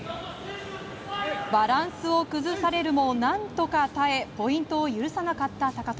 バランスを崩されるも何とか耐えポイントを許さなかった高藤。